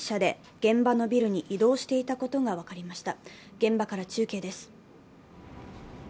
現場から中継です。